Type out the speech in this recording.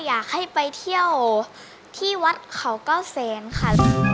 อยากให้ไปเที่ยวที่วัดเขาเก้าแสนค่ะ